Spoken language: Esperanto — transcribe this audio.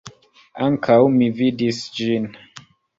Ankaŭ mi vidis ĝin.